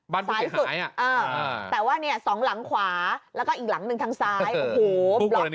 บ้านผู้เสียหายอ่ะอ่าแต่ว่าเนี่ยสองหลังขวาแล้วก็อีกหลังหนึ่งทางซ้ายโอ้โห